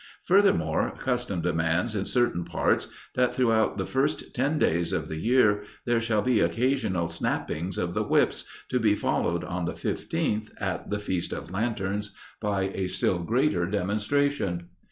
Furthermore, custom demands in certain parts that throughout the first ten days of the year there shall be occasional snappings of the whips, to be followed on the fifteenth, at the Feast of Lanterns, by a still greater demonstration.